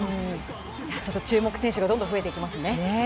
注目選手がどんどん増えていきますね！